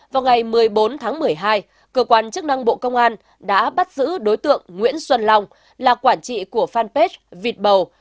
vào ngày một mươi bốn tháng một mươi hai cơ quan chức năng bộ công an đã bắt giữ đối tượng nguyễn xuân long là quản trị của fanpage vịt bầu